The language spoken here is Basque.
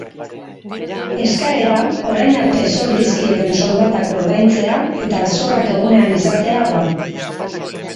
Eskaera orain arte zor dizkieten soldatak ordaintzea eta zorrak egunean izatea da.